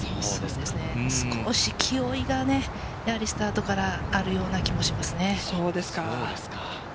少し気負いがね、やはりスタートからあるような気もしますね。